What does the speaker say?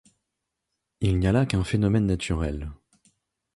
Il n’y a là qu’un phénomène naturel.